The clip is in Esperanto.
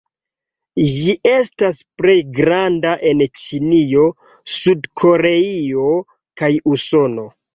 Ĝi estas plej granda en Ĉinio, Sud-Koreio kaj Usono.